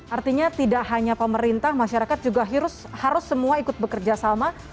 artinya tidak hanya pemerintah masyarakat juga harus semua ikut bekerja sama